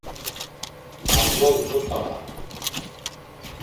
Pancari dot̆ağanu.